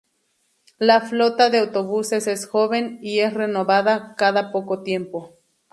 La flota de autobuses es joven, y es renovada cada poco tiempo.